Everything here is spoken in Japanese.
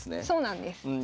そうなんです。